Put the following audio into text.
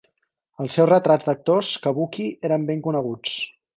Els seus retrats d'actors kabuki eren ben coneguts.